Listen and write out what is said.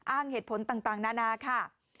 อ้างเหตุผลต่างนานาค่ะ